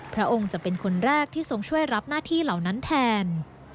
พระองค์จะเป็นคนแรกที่ทรงช่วยรับหน้าที่เหล่านั้นแทน